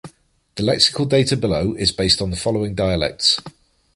The lexical data below is based on the following dialects.